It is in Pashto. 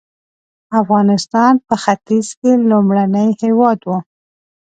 افغانستان په ختیځ کې لومړنی هېواد و.